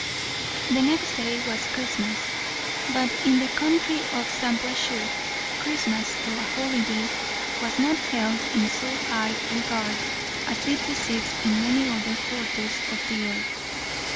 The next day was Christmas; but in the country of Shampuashuh, Christmas, though a holiday, was not held in so high regard as it receives in many other quarters of the earth.